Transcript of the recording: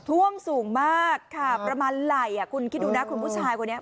ท่วมสูงมากค่ะประมาณไหล่อ่ะคุณคิดดูนะคุณผู้ชายคนนี้